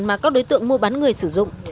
mà các đối tượng mua bán người sử dụng